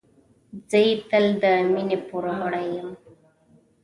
زه یې تل د مینې پوروړی یم.